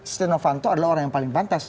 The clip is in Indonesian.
steno fanto adalah orang yang paling pantas